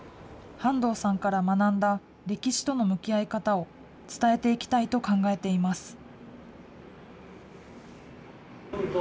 半藤さんから学んだ歴史との向き合い方を伝えていきたいと考えています。